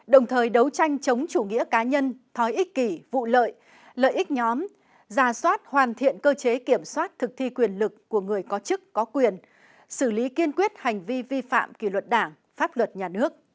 đồng thời đấu tranh chống chủ nghĩa cá nhân thói ích kỷ vụ lợi lợi ích nhóm ra soát hoàn thiện cơ chế kiểm soát thực thi quyền lực của người có chức có quyền xử lý kiên quyết hành vi vi phạm kỷ luật đảng pháp luật nhà nước